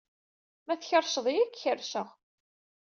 Ma tkerrced-iyi, ad k-kerrceɣ.